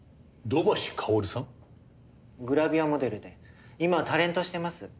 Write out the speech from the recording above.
グラビアモデルで今はタレントしています。